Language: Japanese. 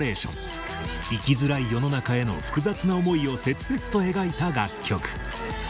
生きづらい世の中への複雑な思いを切々と描いた楽曲。